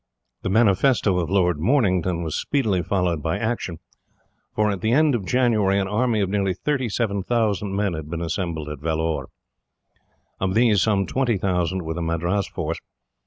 The manifesto of Lord Mornington was speedily followed by action, for at the end of January an army of nearly 37,000 men had been assembled at Vellore. Of these some 20,000 were the Madras force.